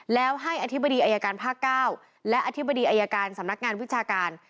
แล้วให้อธิบดีอายการภาค๙และอธิบดีอายการสำนักงานวิชาการ